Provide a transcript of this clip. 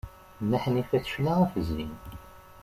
Nna Ḥnifa tecna ɣef zzin.